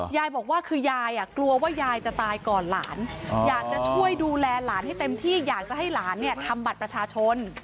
ยายบอกว่าคือยายกลัวว่ายายจะตายก่อนหลานอยากจะช่วยดูแลหลานให้เต็มที่อยากจะให้หลานเนี่ยทำบัตรประชาชน